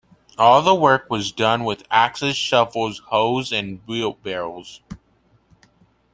All of the work was done with axes, shovels, hoes and wheelbarrows.